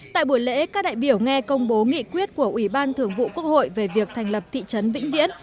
tại buổi lễ các đại biểu nghe công bố nghị quyết của ủy ban thường vụ quốc hội về việc thành lập thị trấn vĩnh viễn